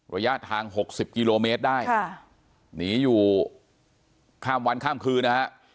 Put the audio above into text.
ระยะทาง๖๐กิโลเมตรได้หนีอยู่ข้ามวันข้ามคืนนะฮะ